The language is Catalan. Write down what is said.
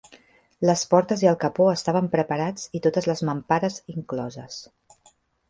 Les portes i el capó estaven preparats i totes les mampares incloses.